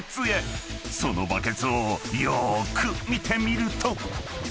［そのバケツをよーく見てみると］